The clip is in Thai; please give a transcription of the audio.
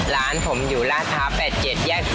ร้านผมอยู่ราคา๘๗แยก๑๕